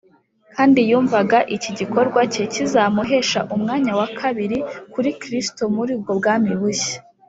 kandi yumvaga iki gikorwa cye kizamuhesha umwanya wa kabiri kuri kristo muri ubwo bwami bushya